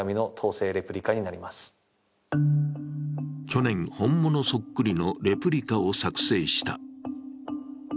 去年、本物そっくりのレプリカを作製した。